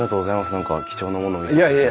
何か貴重なものを見せていただいて。